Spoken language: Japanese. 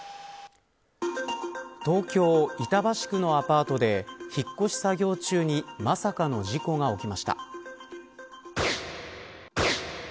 東京、板橋区のアパートで引っ越し作業中にまさかの事故が起きました。